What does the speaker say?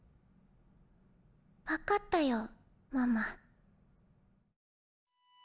分かったよママ。